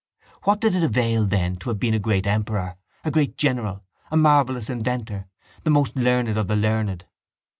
What did it avail then to have been a great emperor, a great general, a marvellous inventor, the most learned of the learned?